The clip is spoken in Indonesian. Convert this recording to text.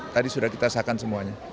tadi sudah kita sahkan semuanya